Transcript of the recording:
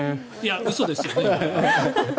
嘘ですよね？